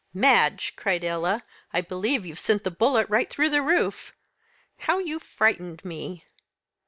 "Madge!" cried Ella. "I believe you've sent the bullet right through the roof! How you frightened me!"